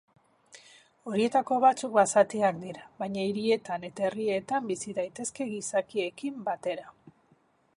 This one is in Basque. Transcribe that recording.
Horietako batzuk basatiak dira, baina hirietan eta herrietan bizi daitezke gizakiekin batera.